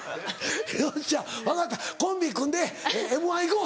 よっしゃ分かったコンビ組んで『Ｍ−１』行こう！